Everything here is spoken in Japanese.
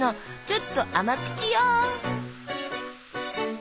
ちょっと甘口よ。